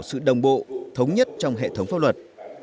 đảm bảo sự đồng bộ thống nhất trong hệ thống pháp luật